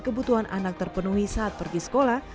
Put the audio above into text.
kebutuhan anak terpenuhi saat pergi sekolah